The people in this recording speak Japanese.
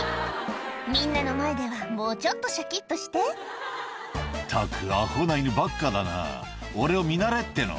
みんなの前ではもうちょっとしゃきっとして「ったくアホな犬ばっかだな俺を見習えっての」